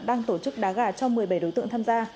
đang tổ chức đá gà cho một mươi bảy đối tượng tham gia